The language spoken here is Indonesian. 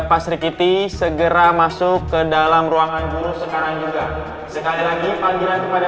pas rikiti segera masuk ke dalam ruangan guru sekarang juga sekali lagi panggilan kepada